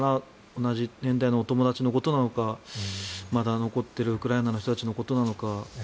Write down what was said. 同じ年代のお友達のことなのかまだ残っているウクライナの人たちのことなのか